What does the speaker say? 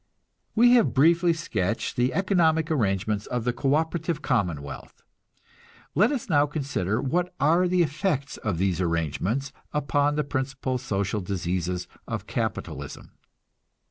We have briefly sketched the economic arrangements of the co operative commonwealth. Let us now consider what are the effects of these arrangements upon the principal social diseases of capitalism.